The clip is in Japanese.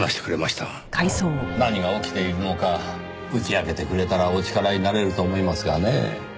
何が起きているのか打ち明けてくれたらお力になれると思いますがねぇ。